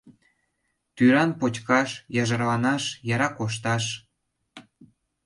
Тӱран почкаш — яжарланаш, яра кошташ.